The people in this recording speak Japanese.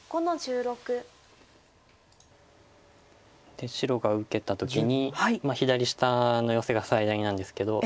で白が受けた時に左下のヨセが最大なんですけど。